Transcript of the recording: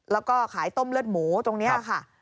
แล้วก็ขายต้มเลือดหมูตรงนี้ค่ะ